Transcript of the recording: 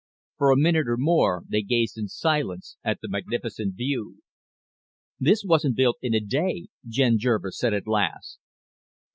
For a minute or more they gazed in silence at the magnificent view. "This wasn't built in a day," Jen Jervis said at last.